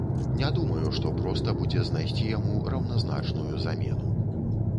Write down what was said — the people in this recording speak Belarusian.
Не думаю, што проста будзе знайсці яму раўназначную замену.